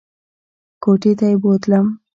کوټې ته یې بوتلم !